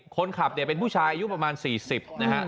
คนขับเนี่ยเป็นผู้ชายอายุประมาณ๔๐นะฮะ